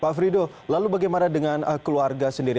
pak frido lalu bagaimana dengan keluarga sendiri